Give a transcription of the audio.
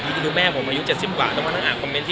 ดูแม่ผมอายุ๗๐กว่าต้องมานั่งอ่านคอมเมนต